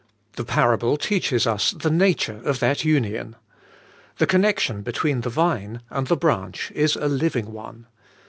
The parable teaches us the nature of that union. The connection between the vine and the branch is a living one.